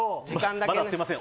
あとすいません